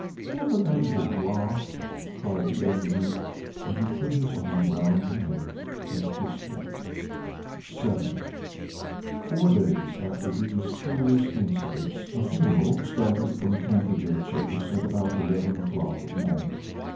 "What an angel you are!" cried the young Duke, and he put his arm round her neck, and kissed her. VII Four days after these curious incidents, a funeral started from Canterville Chase at about eleven o'clock at night.